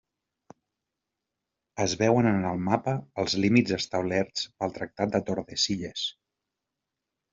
Es veuen en el mapa els límits establerts pel Tractat de Tordesillas.